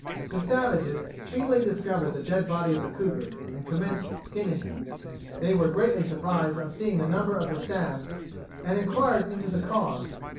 The savages speedily discovered the dead body of the cougar, and commenced skinning him. They were greatly surprised on seeing the number of the stabs, and inquired into the cause.